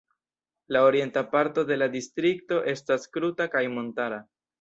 La orienta parto de la Distrikto estas kruta kaj montara.